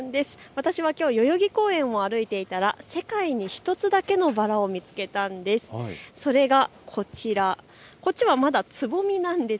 私はきょう代々木公園を歩いていたら世界に１つだけのバラを見つけたんです。